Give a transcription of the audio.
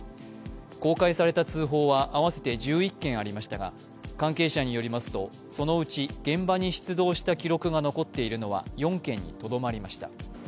公開された通報は合わせて１１件になりましたが、関係者に寄りますと現場に出動した記録が残っているのは４件にとどまりました。